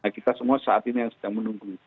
kita semua saat ini yang sedang menunggu